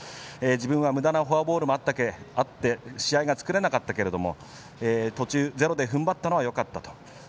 むだなフォアボールもあって試合が作れなかったけれども途中でゼロでふんばったのはよかったと。